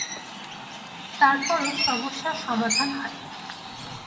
তারপরও সমস্যার সমাধান হয়নি।